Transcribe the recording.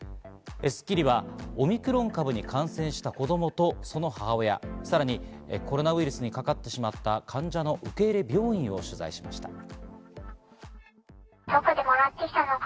『スッキリ』はオミクロン株に感染した子供とその母親、さらにはコロナウイルスにかかってしまった患者の受け入れ病院を取材しました。